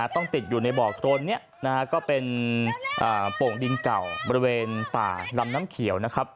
ต้องติดอยู่ในบ่อโครนนี้ก็เป็นโป่งดินเก่าบริเวณป่าลำน้ำเขียวนะครับ